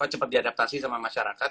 cepat diadaptasi sama masyarakat